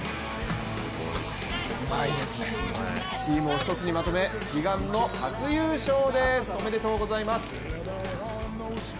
うまいですね、チームを１つにまとめ悲願の初優勝ですおめでとうございます。